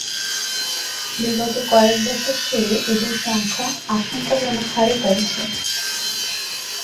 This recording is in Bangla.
বিগত কয়েক দশক ধরে এদের সংখ্যা আশঙ্কাজনক হারে কমছে।